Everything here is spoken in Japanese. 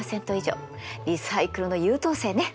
リサイクルの優等生ね。